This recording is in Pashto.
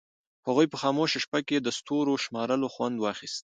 هغوی په خاموشه شپه کې د ستورو شمارلو خوند واخیست.